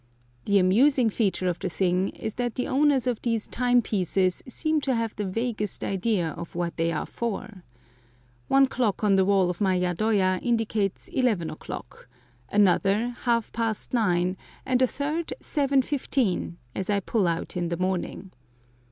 The amusing feature of the thing is that the owners of these time pieces seem to have the vaguest ideas of what they are for. One clock on the wall of my yadoya indicates eleven o'clock, another half past nine, and a third seven fifteen as I pull out in the morning.